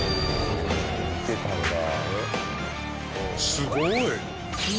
すごい！